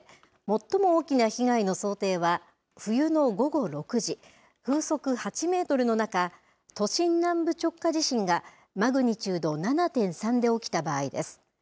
最も大きな被害の想定は、冬の午後６時、風速８メートルの中、都心南部直下地震がマグニチュード７．３で起きた場合です。